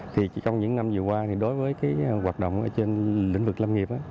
trong những năm vừa qua đối với hoạt động trên lĩnh vực lâm nghiệp